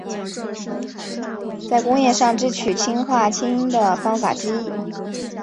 是工业上制取氰化氢的方法之一。